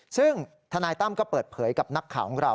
ซึ่งทนายตั้มก็เปิดเผยกับนักข่าวของเรา